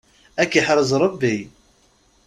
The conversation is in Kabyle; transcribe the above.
Ad k-iḥrez Rebbi!